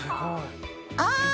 ああ！